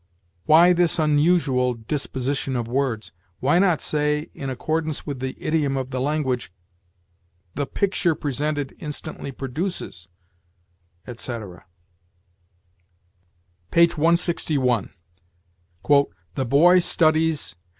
Why this unusual disposition of words? Why not say, in accordance with the idiom of the language, "The picture presented instantly produces," etc.? Page 161. "The boy studies